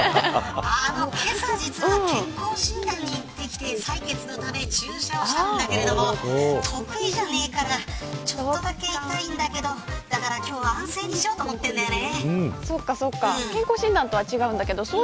けさ、健康診断に行ってきて採血のために注射したんだけど得意じゃないからちょっとだけ痛いんだけど今日は安静にしようと思っているんだよね。